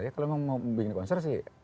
ya kalau mau bikin konser sih